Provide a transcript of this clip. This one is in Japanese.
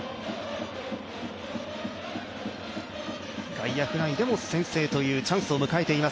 外野フライでも先制というチャンスを迎えています